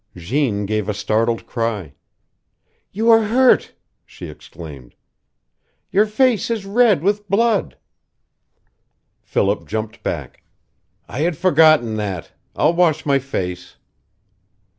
Jeanne gave a startled cry. "You are hurt!" she exclaimed. "Your face is red with blood." Philip jumped back. "I had forgotten that. I'll wash my face."